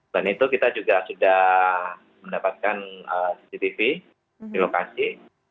dan itu kita juga sudah mendapatkan cctv di lokasi